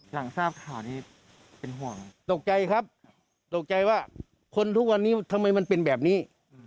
หลังทราบข่าวนี้เป็นห่วงตกใจครับตกใจว่าคนทุกวันนี้ทำไมมันเป็นแบบนี้